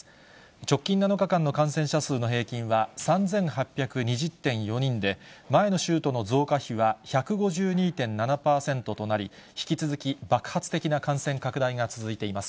直近７日間の感染者数の平均は３８２０．４人で、前の週との増加比は１５２．７％となり、引き続き爆発的な感染拡大が続いています。